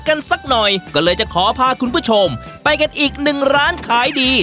สักหน่อยก็เลยจะขอพาคุณผู้ชมไปกันอีกหนึ่งร้านขายดี